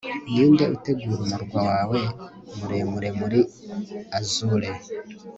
Ninde utegura umurwa wawe muremure muri azure